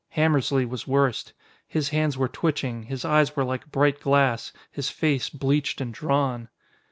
Hammersly was worst. His hands were twitching, his eyes were like bright glass, his face bleached and drawn.